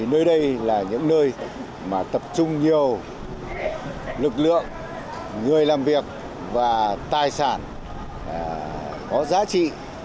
nơi đây là những nơi mà tập trung nhiều lực lượng người làm việc và tài sản có giá trị